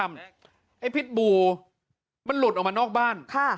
พิษบูมันหลุดออกมานอกบ้าน